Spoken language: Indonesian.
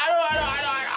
aduh aduh aduh aduh